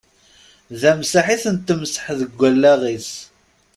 D amsaḥ i ten-temsaḥ deg wallaɣ-is.